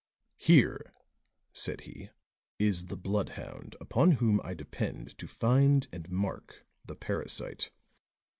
"Here," said he, "is the bloodhound upon whom I depend to find and mark the parasite.